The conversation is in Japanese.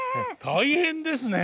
大変ですね。